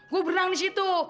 gue berenang disitu